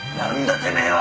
てめえは！